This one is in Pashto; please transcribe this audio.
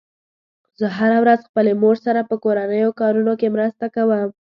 زه هره ورځ خپلې مور سره په کورنیو کارونو کې مرسته کوم